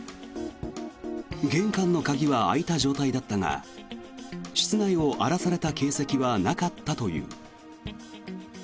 玄関の鍵は開いた状態だったが室内を荒らされた形跡はなかったという。